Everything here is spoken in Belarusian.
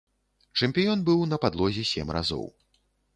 Чэмпіён быў на падлозе сем разоў.